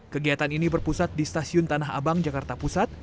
kegiatan ini berpusat di stasiun tanah abang jakarta pusat